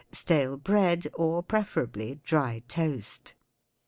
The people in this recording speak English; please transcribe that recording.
Stale bread or, preferably, dry toast.